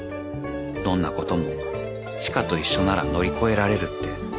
［どんなことも知花と一緒なら乗り越えられるって］